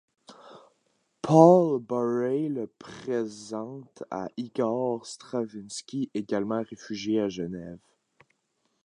Paul Paray le présente à Igor Stravinsky également réfugié à Genève.